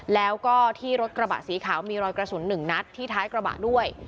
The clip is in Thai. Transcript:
แล้วก็ที่รถกระบะสีขาวมีรอยกระสุน๑นัดที่ท้ายกระบะด้วย